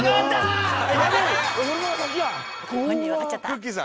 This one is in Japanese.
くっきー！